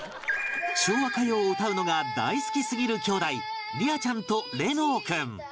昭和歌謡を歌うのが大好きすぎる姉弟りあちゃんとれのう君